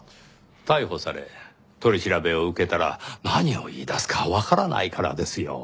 逮捕され取り調べを受けたら何を言い出すかわからないからですよ。